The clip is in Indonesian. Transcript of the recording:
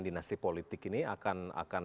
dinasti politik ini akan